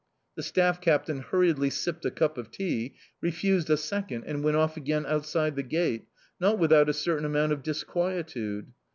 The staff captain hurriedly sipped a cup of tea, refused a second, and went off again outside the gate not without a certain amount of disquietude.